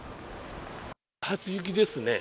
初雪ですね。